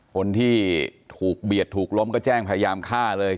คนที่ถูกเบียดถูกล้มก็แจ้งพยายามฆ่าเลย